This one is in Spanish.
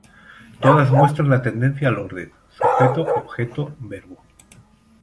Todas muestran la tendencia al orden Sujeto Objeto Verbo.